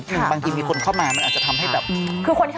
จันกับอาทิตย์นี่ก็เป็นอะไรที่แบบว่าเหมือนแบบ